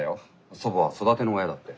祖母は育ての親だって。